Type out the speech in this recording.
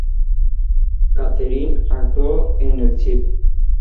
Catherine actuó en el St.